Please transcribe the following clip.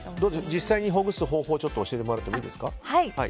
実際、ほぐす方向を教えてもらってもいいですか。